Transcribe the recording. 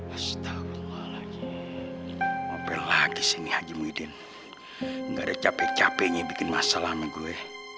astagfirullah lagi mobil lagi sini haji muhyiddin enggak ada capek capeknya bikin masa lama gue